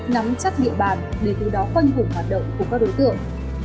nắm chắc địa bàn để từ đó phân hủng hoạt động của các đối tượng